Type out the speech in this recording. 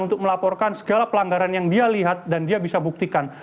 untuk melaporkan segala pelanggaran yang dia lihat dan dia bisa buktikan